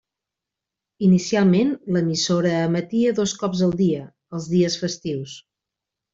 Inicialment, l'emissora emetia dos cops al dia, els dies festius.